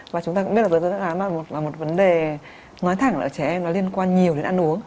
và chúng ta cũng biết là dối loạn tiêu hóa là một vấn đề nói thẳng là trẻ em liên quan nhiều đến ăn uống